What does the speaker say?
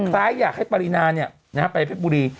ใครอยากให้ปริณาเนี่ยไปเผ็ดบุรี